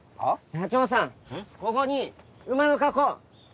社長さんここに馬の格好。